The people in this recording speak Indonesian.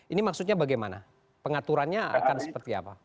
ini maksudnya bagaimana pengaturannya akan seperti apa